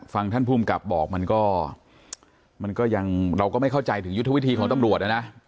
ท่านภูมิกับบอกมันก็ยังเราก็ไม่เข้าใจถึงยุทธวิธีของตำรวจนะ